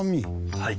はい。